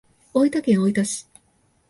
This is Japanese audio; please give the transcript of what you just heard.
大分県大分市